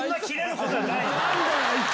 何だよあいつ！